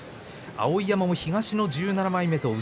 碧山は東の１７枚目。